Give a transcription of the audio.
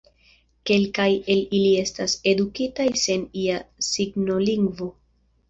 Kelkaj el ili estas edukitaj sen ia signolingvo.